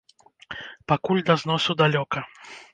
Пакуль да зносу далёка.